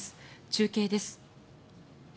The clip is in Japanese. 中継です。